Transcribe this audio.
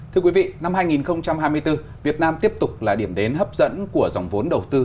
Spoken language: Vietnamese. thưa quý vị năm hai nghìn hai mươi bốn việt nam tiếp tục là điểm đến hấp dẫn của dòng vốn đầu tư